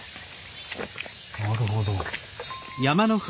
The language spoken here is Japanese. なるほど。